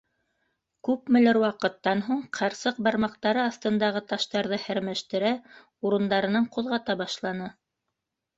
Күпмелер ваҡыттан һуң ҡарсыҡ бармаҡтары аҫтындағы таштарҙы һәрмәштерә, урындарынан ҡуҙғата башланы.